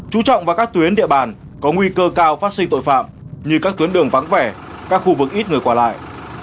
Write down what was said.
chú trọng vào các tuyến địa bàn có nguy cơ cao phát sinh tội phạm như các tuyến đường vắng vẻ các khu vực ít người qua lại